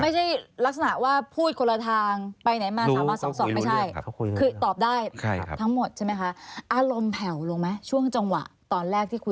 ไม่ใช่ลักษณะว่าพูดคนละทางไปไหนมาสามารถสองไม่ใช่